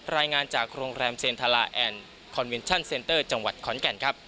รายงานจากโรงแรมเจนทาลาแอนด์คอนเวนชั่นเซ็นเตอร์จังหวัดขอนแก่นครับ